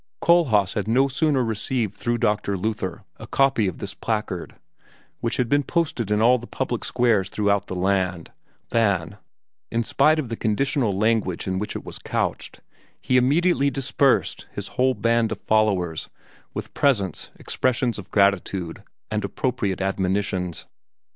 Kohlhaas had no sooner received through Dr. Luther a copy of this placard, which had been posted in all the public squares throughout the land, than, in spite of the conditional language in which it was couched, he immediately dispersed his whole band of followers with presents, expressions of gratitude, and appropriate admonitions.